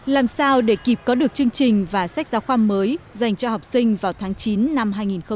làm sao để kịp có được chương trình và sách giáo khoa mới dành cho học sinh vào tháng chín năm hai nghìn hai mươi